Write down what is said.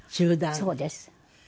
そうです。